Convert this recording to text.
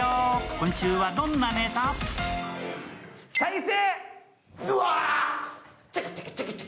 今週はどんなネタ？再生。